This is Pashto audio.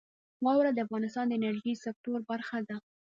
واوره د افغانستان د انرژۍ سکتور برخه ده.